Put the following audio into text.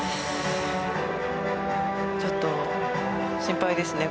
ちょっと心配ですね。